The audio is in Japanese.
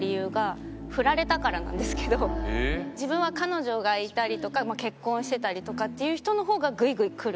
自分は彼女がいたりとか結婚してたりとかっていう人の方がグイグイくる。